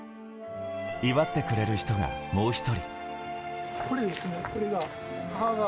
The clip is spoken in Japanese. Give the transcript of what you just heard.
祝ってくれる人が、もう１人。